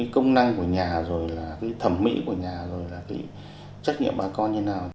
công năng của nhà thẩm mỹ của nhà trách nhiệm bà con như thế nào